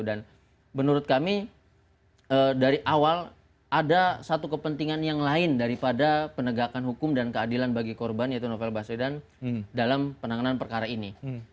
dan menurut kami dari awal ada satu kepentingan yang lain daripada penegakan hukum dan keadilan bagi korban yaitu novel basudan dalam penanganan perkara ini